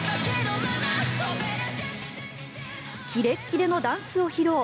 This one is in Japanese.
キレッキレのダンスを披露。